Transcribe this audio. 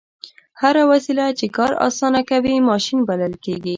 هره وسیله چې کار اسانه کوي ماشین بلل کیږي.